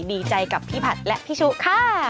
ดีใจกับพี่ผัดและพี่ชุค่ะ